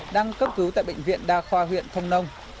đang cấp cứu tại bệnh viện đa khoa huyện thông nông